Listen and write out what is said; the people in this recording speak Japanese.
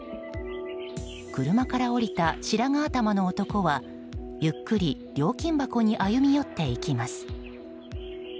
車から降りた白髪頭の男はゆっくり、料金箱に歩み寄っていきます。